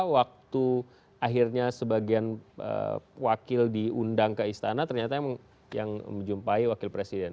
waktu akhirnya sebagian wakil diundang ke istana ternyata yang menjumpai wakil presiden